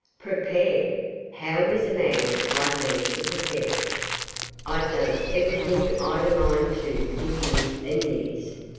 Prepare! How was a man like me to prepare? I'd done everything I'd a mind to for years and years.